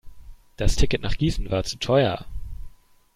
Das Ticket nach Gießen war zu teuer